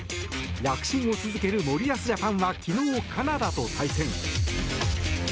躍進を続ける森保ジャパンは昨日、カナダと対戦。